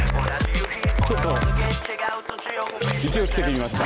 ちょっと勢いつけてみました。